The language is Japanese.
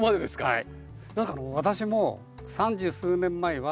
はい。